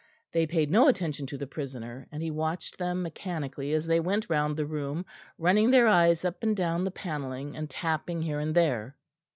They paid no attention to the prisoner, and he watched them mechanically as they went round the room, running their eyes up and down the panelling, and tapping here and there.